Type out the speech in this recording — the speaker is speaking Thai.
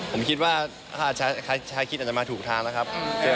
ผมคิดว่าชายคิดอาจจะมาถูกทางแล้วครับ